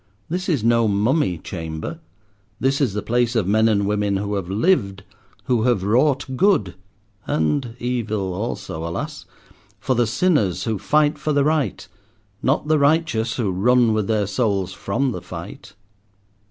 This is no mummy chamber; this is the place of men and women who have lived, who have wrought good—and evil also, alas!—for the sinners who fight for the right, not the righteous who run with their souls from the fight."